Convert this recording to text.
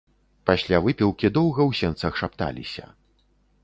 Пасля выпіўкі доўга ў сенцах шапталіся.